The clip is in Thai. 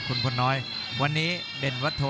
คุณพลน้อยวันนี้เด่นวัดโท